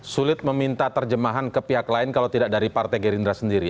sulit meminta terjemahan ke pihak lain kalau tidak dari partai gerindra sendiri